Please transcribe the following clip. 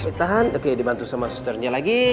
ditahan oke dibantu sama susternya lagi